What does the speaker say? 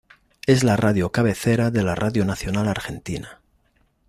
Es la radio cabecera de la Radio Nacional Argentina.